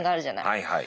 はいはい。